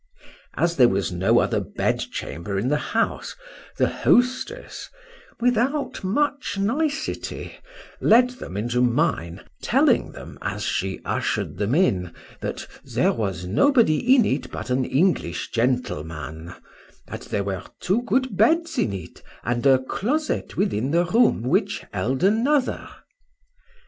As there was no other bed chamber in the house, the hostess,—without much nicety, led them into mine, telling them, as she usher'd them in, that there was nobody in it but an English gentleman;—that there were two good beds in it, and a closet within the room which held another.